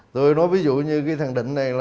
rồi nó ví dụ như cái thằng định này